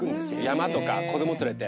山とか子供連れて。